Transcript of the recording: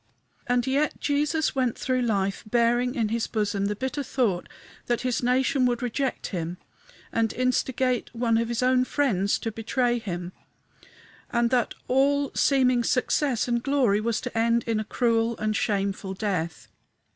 And yet Jesus went through life bearing in his bosom the bitter thought that his nation would reject him and instigate one of his own friends to betray him, and that all seeming success and glory was to end in a cruel and shameful death.